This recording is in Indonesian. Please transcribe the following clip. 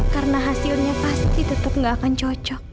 karena hasilnya pasti tetap gak akan cocok